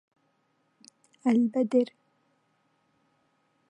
البدر